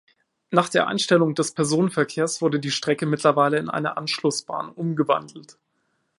Nach der Einstellung des Personenverkehrs wurde die Strecke mittlerweile in eine Anschlussbahn umgewandelt.